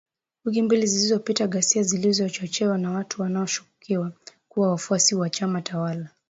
Wiki mbili zilizopita ghasia zilizochochewa na watu wanaoshukiwa kuwa wafuasi wa chama tawala